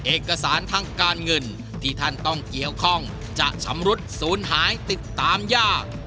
เอกสารทางการเงินที่ท่านต้องเกี่ยวข้องจะชำรุดศูนย์หายติดตามยาก